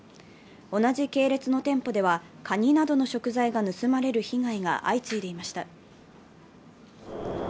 同じ系列の店舗ではカニなどの食材が盗まれる被害が相次いでいました。